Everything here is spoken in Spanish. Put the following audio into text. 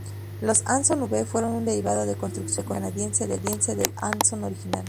Los Anson V fueron un derivado de construcción canadiense del Anson original.